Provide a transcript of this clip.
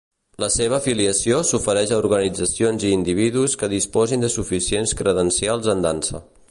La seva afiliació s'ofereix a organitzacions i individus que disposin de suficients credencials en dansa.